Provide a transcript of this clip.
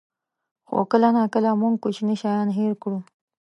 خو کله ناکله موږ کوچني شیان هېر کړو.